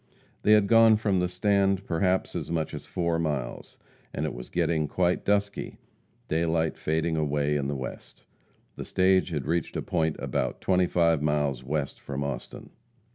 They had gone from "the stand" perhaps as much as four miles, and it was getting quite dusky daylight fading away in the west. The stage had reached a point about twenty five miles west from Austin.